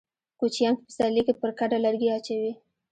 کوچيان په پسرلي کې پر کډه لرګي اچوي.